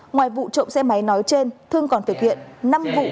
ngoài vụ trộm xe máy nói trên thương còn thực hiện năm vụ